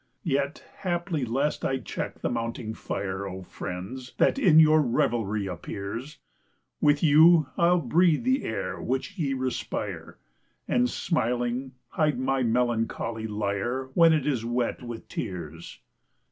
Yet, haply lest I check the mounting fire, O friends, that in your revelry appears! With you I'll breathe the air which ye respire, And, smiling, hide my melancholy lyre When it is wet with tears.